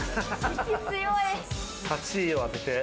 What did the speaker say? ８位を当てて。